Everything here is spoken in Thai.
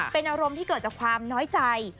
เป็นอารมณ์ที่เกิดจากความน้อยใจ